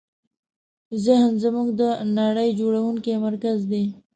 ذهن زموږ د نړۍ جوړوونکی مرکز دی.